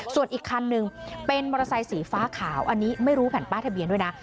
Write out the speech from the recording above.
ส่วนอีกคันนึงเป็นมอเตอร์ไซสีฟ้าขาวอันนี้ไม่รู้แผ่นป้ายทะเบียนด้วยนะ